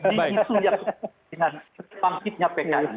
kita fokus di isu yang sepupu dengan bangkitnya pki